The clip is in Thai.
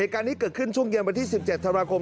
การนี้เกิดขึ้นช่วงเย็นวันที่๑๗ธันวาคม